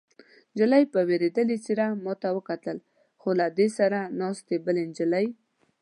نجلۍ په وېرېدلې څېره ما ته وکتل، خو له دې سره ناستې بلې نجلۍ.